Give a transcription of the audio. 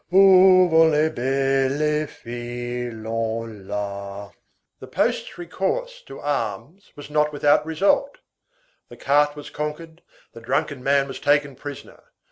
Où vont les belles filles, Lon la."57 The post's recourse to arms was not without result. The cart was conquered, the drunken man was taken prisoner.